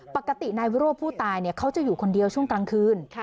ปกตินายวิโรธผู้ตายเขาจะอยู่คนเดียวช่วงกลางคืน